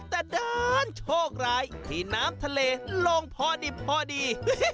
แต่เดินโชคร้ายที่น้ำทะเลลงพอดี